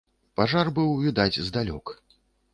Пажар быў відаць здалёк.